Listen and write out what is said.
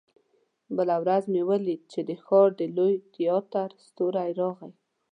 بله ورځ مې ولیدل چې د ښار د لوی تياتر ستورى راغی.